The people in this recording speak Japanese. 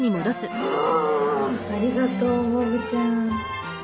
ありがとうボブちゃん。